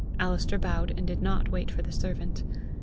Alister bowed, and did not wait for the servant.